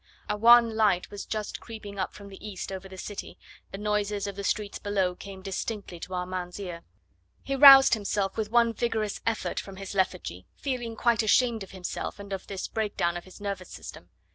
A wan light was just creeping up from the east over the city; the noises of the streets below came distinctly to Armand's ear. He roused himself with one vigorous effort from his lethargy, feeling quite ashamed of himself and of this breakdown of his nervous system.